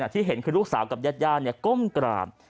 ที่เห็นคือลูกสาวกับญาติก้มกราบ